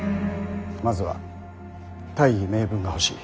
まずは大義名分が欲しい。